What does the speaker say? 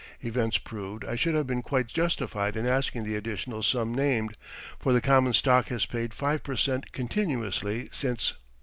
Events proved I should have been quite justified in asking the additional sum named, for the common stock has paid five per cent continuously since.